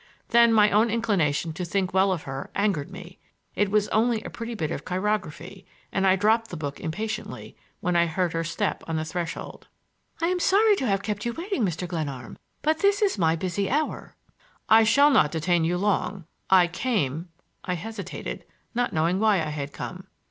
Then my own inclination to think well of her angered me. It was only a pretty bit of chirography, and I dropped the book impatiently when I heard her step on the threshold. "I am sorry to have kept you waiting, Mr. Glenarm. But this is my busy hour." "I shall not detain you long. I came,"—I hesitated, not knowing why I had come.